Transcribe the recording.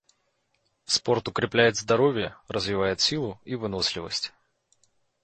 Спорт укрепляет здоровье, развивает силу и выносливость.